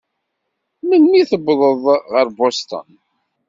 Melmi tewwḍeḍ ɣer Boston?